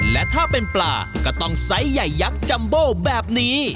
และถ้าเป็นปลาก็ต้องไซส์ใหญ่ยักษ์จัมโบแบบนี้